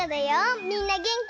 みんなげんき？